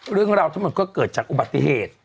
เรื่องราวทั้งหมดก็เกิดจากอุบัติเหตุ